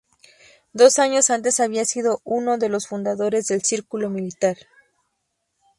Dos años antes había sido uno de los fundadores del Círculo Militar.